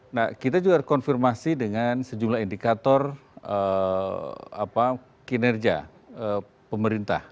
nah kita juga harus konfirmasi dengan sejumlah indikator kinerja pemerintah